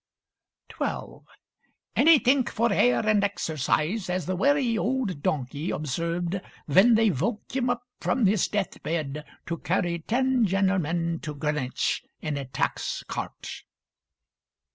12. "Anythink for air and exercise, as the werry old donkey observed ven they voke him up from his death bed to carry ten gen'lmen to Greenwich in a tax cart!"